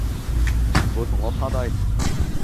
全部同我趴低